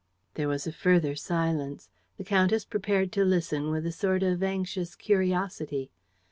There was a further silence. The countess prepared to listen with a sort of anxious curiosity.